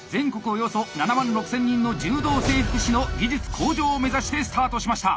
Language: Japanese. およそ７万６千人の柔道整復師の技術向上を目指してスタートしました。